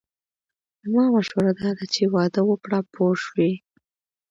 زما مشوره داده چې واده وکړه پوه شوې!.